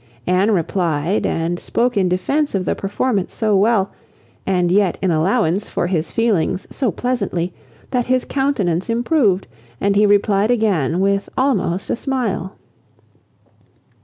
Anne replied, and spoke in defence of the performance so well, and yet in allowance for his feelings so pleasantly, that his countenance improved, and he replied again with almost a smile.